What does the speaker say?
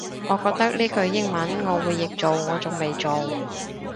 我覺得呢句英文我會譯做我仲未做